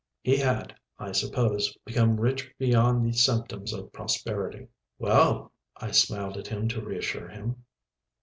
He had, I suppose, become rich beyond the symptoms of prosperity. "Well," I smiled at him to reassure him.